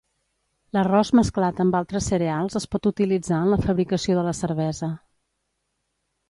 L'arròs mesclat amb altres cereals es pot utilitzar en la fabricació de la cervesa.